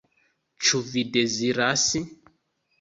Ĉu vi deziras?